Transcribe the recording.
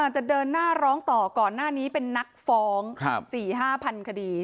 จะเดินหน้าร้องต่อก่อนหน้านี้เป็นนักฟ้อง๔๕๐๐คดี